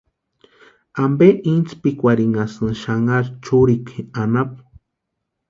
¿Ampe intspikwarhinhasïni xanharu churikwa anapu?